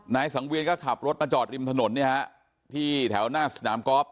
นายสังเวียนก็ขับรถมาจอดริมถนนเนี่ยฮะที่แถวหน้าสนามกอล์ฟ